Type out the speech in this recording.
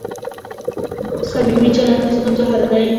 صمیمي چلند د ستونزو حل دی.